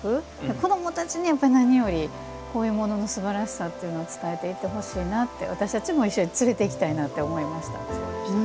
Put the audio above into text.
子どもたちにやっぱり何よりこういうもののすばらしさというのを伝えていってほしいなって私たちも一緒に連れていきたいなと思いました。